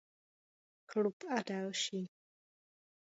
Chlup a další.